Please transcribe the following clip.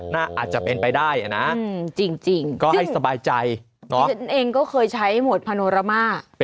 น่าอาจจะเป็นไปได้นะ